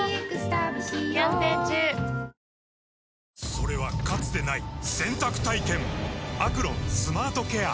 それはかつてない洗濯体験‼「アクロンスマートケア」